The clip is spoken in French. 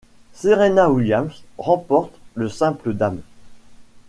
Serena Williams remporte le simple dames.